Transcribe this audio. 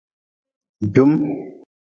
Jum.